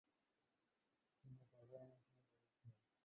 কিন্তু তাদের মুসলিম পরিচয় ঘুণাক্ষরেও প্রকাশ করে না।